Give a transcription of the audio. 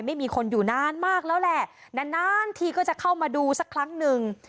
ไม่มีคนอยู่นานมากแล้วแหละนานนานทีก็จะเข้ามาดูสักครั้งหนึ่ง